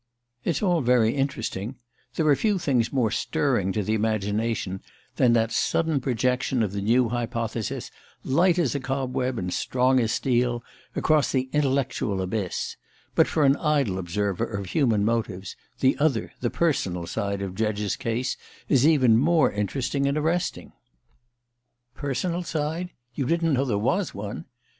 It's all very interesting there are few things more stirring to the imagination than that sudden projection of the new hypothesis, light as a cobweb and strong as steel, across the intellectual abyss; but, for an idle observer of human motives, the other, the personal, side of Dredge's case is even more interesting and arresting. Personal side? You didn't know there was one?